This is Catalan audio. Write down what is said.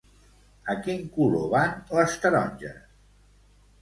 A quin color van les taronges?